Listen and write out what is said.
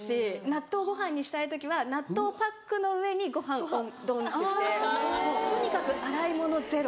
納豆ご飯にしたい時は納豆パックの上にご飯ドンってしてとにかく洗い物ゼロ。